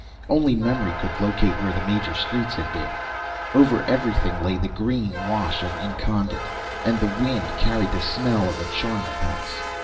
Only memory could locate where the major streets had been. Over everything lay the green wash of incandite, and the wind carried the smell of a charnel house.